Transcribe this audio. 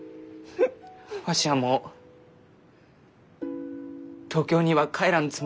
わしはもう東京には帰らんつもりじゃき。